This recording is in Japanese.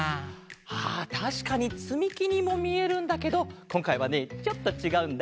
あたしかにつみきにもみえるんだけどこんかいはねちょっとちがうんだ。